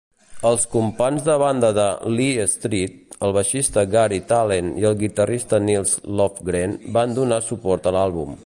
Els companys de banda de l'E-Street, el baixista Garry Tallent i el guitarrista Nils Lofgren van donar suport a l'àlbum.